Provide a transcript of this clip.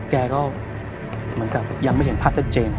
แกก็เหมือนกับยังไม่เห็นภาพชัดเจน